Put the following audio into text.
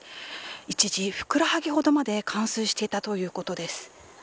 一時、ふくらはぎほどまで冠水していたということです。